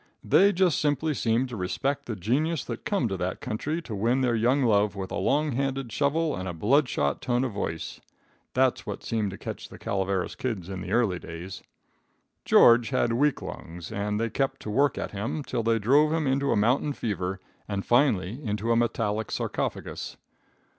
They just simply seemed to respect the genius that come to that country to win their young love with a long handled shovel and a blood shot tone of voice. That's what seemed to catch the Calaveras kids in the early days. "George had weak lungs, and they kept to work at him till they drove him into a mountain fever, and finally into a metallic sarcophagus.